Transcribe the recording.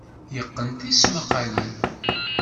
Yeqqen tismaqqalin.